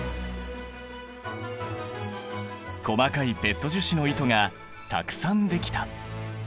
細かいペット樹脂の糸がたくさんできた。